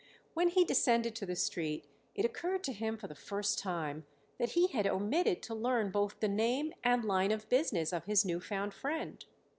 When he descended to the street it occurred to him for the first time that he had omitted to learn both the name and line of business of his new found friend.